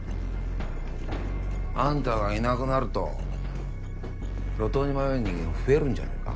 あんたがいなくなると路頭に迷う人間が増えるんじゃねぇか？